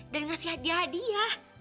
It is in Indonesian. dan ngasih hadiah hadiah